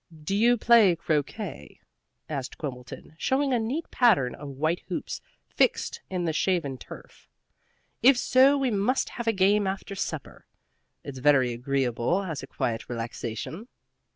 "Do you play croquet?" asked Quimbleton, showing a neat pattern of white hoops fixed in the shaven turf. "If so, we must have a game after supper. It's very agreeable as a quiet relaxation."